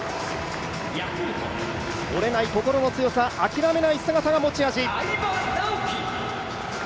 折れない心の強さ、諦めない心が持ち味。